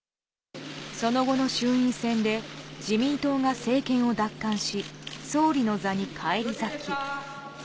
その後の衆院選で、自民党が政権を奪還し、総理の座に返り咲き。